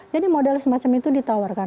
jadi modal semacam itu ditawarkan